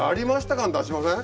感出しません？